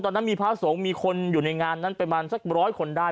ตอนนั้นมีพระสงฆ์มีคนอยู่ในงานนั้นประมาณสักร้อยคนได้